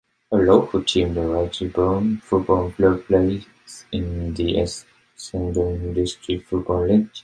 A local team, the Craigieburn Football Club plays in the Essendon District Football League.